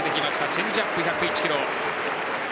チェンジアップ１０１キロ。